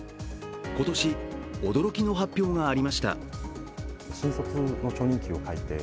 今年、驚きの発表がありました。